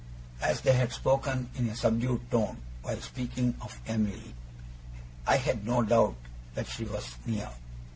As they had spoken in a subdued tone, while speaking of Em'ly, I had no doubt that she was near.